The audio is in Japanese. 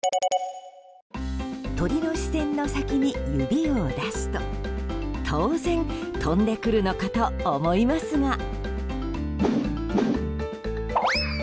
鳥の視線の先に指を出すと当然、飛んでくるのかと思いますが。